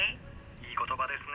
「いい言葉ですね。